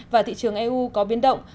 và thị trường eu có biến động